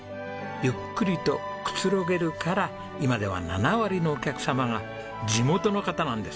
ゆっくりとくつろげるから今では７割のお客様が地元の方なんです。